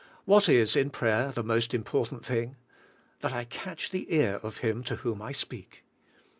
What is, in prayer, the most important thing? That I catch the ear of Him to whom I speak.